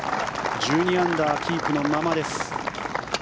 １２アンダーキープのままです。